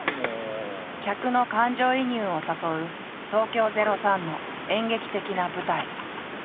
客の感情移入を誘う東京０３の演劇的な舞台。